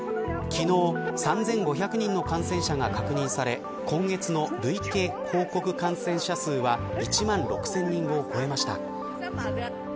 昨日３５００人の感染者が確認され今月の累計報告感染者数は１万６０００人を超えました。